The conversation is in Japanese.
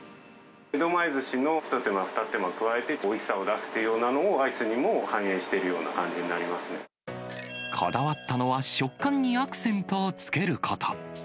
江戸前ずしの一手間、二手間加えておいしさを出すというのをアイスにも反映してるようこだわったのは食感にアクセントをつけること。